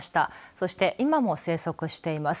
そして、今も生息しています。